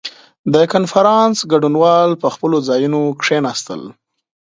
• د کنفرانس ګډونوال پر خپلو ځایونو کښېناستل.